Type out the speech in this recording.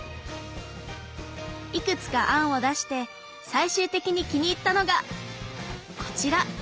いくつか案を出して最終的に気に入ったのがこちら！